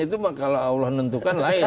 itu kalau allah tentukan lain